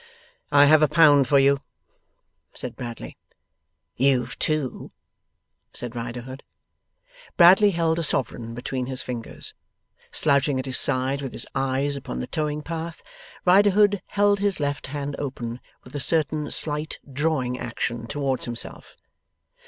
'I have a pound for you,' said Bradley. 'You've two,' said Riderhood. Bradley held a sovereign between his fingers. Slouching at his side with his eyes upon the towing path, Riderhood held his left hand open, with a certain slight drawing action towards himself.